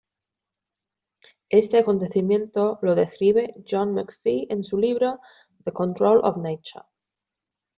Este acontecimiento lo describe John McPhee en su libro "The Control of Nature".